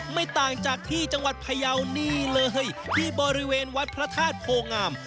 ไม่ต่างจากที่จังหวัดพยาวนี่เลยที่บริเวณวัดพระธาตุโพงาม